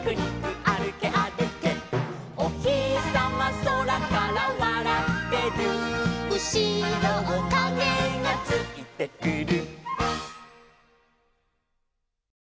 「おひさまそらからわらってる」「うしろをかげがついてくる」